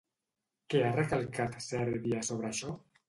Què ha recalcat Sèrbia sobre això?